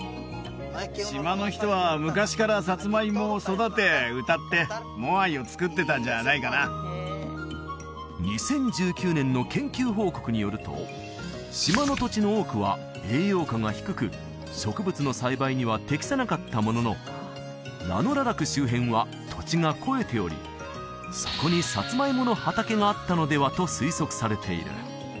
島の人は昔からサツマイモを育て歌ってモアイをつくってたんじゃないかな２０１９年の研究報告によると島の土地の多くは栄養価が低く植物の栽培には適さなかったもののラノ・ララク周辺は土地が肥えておりそこにサツマイモの畑があったのではと推測されている